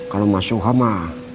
kalau mas suha ma